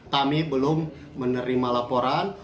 kami belum menerima laporan